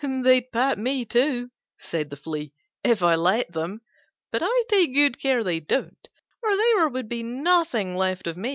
"They'd pat me, too," said the Flea, "if I let them: but I take good care they don't, or there would be nothing left of me."